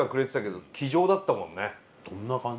どんな感じ？